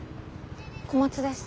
小松です。